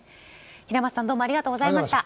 平松さんどうもありがとうございました。